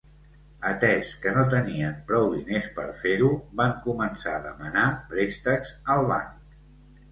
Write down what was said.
Atès que no tenien prou diners per fer-ho, van començar a demanar préstecs al banc.